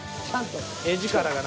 画力がな。